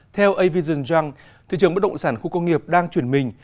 theo avision young thị trường bất động sản khu công nghiệp đang chuyển mình